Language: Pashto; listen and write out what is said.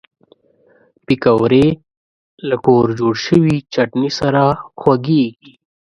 پکورې له کور جوړ شوي چټني سره خوږېږي